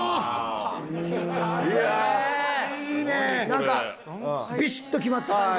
なんかビシッと決まった感じが。